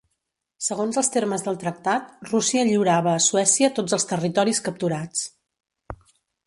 Segons els termes del tractat, Rússia lliurava a Suècia tots els territoris capturats.